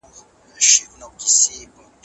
په راتلونکو وختونو کي ټولنه نيکمرغه يا بدمرغه کوي.